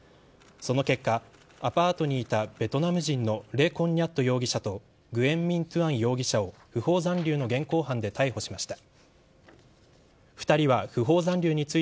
その結果アパートにいたベトナム人のレ・コン・ニャット容疑者とグエン・ミン・トゥアン容疑者を不法残留の現行犯で逮捕しました。